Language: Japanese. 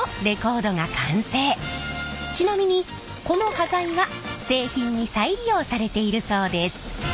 ちなみにこの端材は製品に再利用されているそうです。